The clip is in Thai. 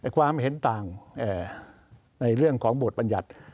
ความเห็นต่างในเรื่องของบทบัญญัติ